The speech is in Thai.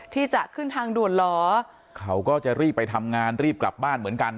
ที่จะขึ้นทางด่วนเหรอเขาก็จะรีบไปทำงานรีบกลับบ้านเหมือนกัน